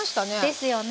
ですよね。